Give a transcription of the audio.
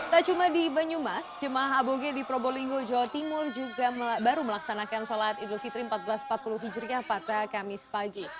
tak cuma di banyumas jemaah aboge di probolinggo jawa timur juga baru melaksanakan sholat idul fitri seribu empat ratus empat puluh hijriah pada kamis pagi